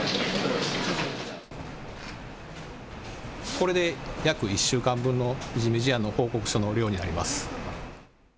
これで約１週間分のいじめ事案の報告書の量になります。